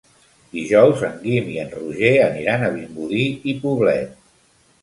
Dijous en Guim i en Roger aniran a Vimbodí i Poblet.